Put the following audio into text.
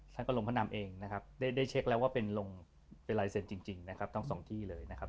ท่านก็ลงพระนำเองนะครับได้เช็คแล้วว่าเป็นลงเป็นลายเซ็นต์จริงนะครับทั้งสองที่เลยนะครับ